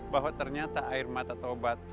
bahwa ternyata air mata taubat